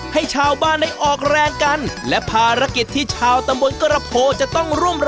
ให้ชาวบ้านได้ออกแรงกันและภารกิจที่ชาวตำบลกระโภ